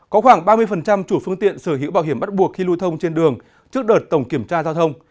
có khoảng ba mươi chủ phương tiện sở hữu bảo hiểm bắt buộc khi lưu thông trên đường trước đợt tổng kiểm tra giao thông